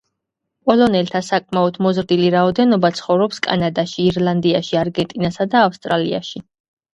პოლონელთა საკმაოდ მოზრდილი რაოდენობა ცხოვრობს კანადაში, ირლანდიაში, არგენტინასა და ავსტრალიაში.